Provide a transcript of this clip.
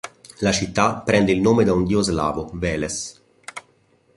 La città prende il nome da un dio slavo, "Veles".